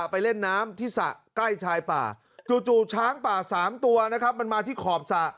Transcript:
ไปเล่นน้ำที่สระใกล้ชายป่าจู่ช้างป่า๓ตัวนะครับมันมาที่ขอบสระ